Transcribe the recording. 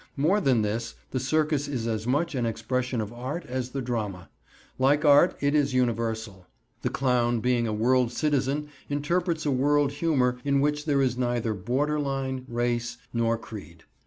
More than this, the circus is as much an expression of art as the drama. Like art, it is universal. The clown being a world citizen interprets a world humor in which there is neither border line, race, nor creed.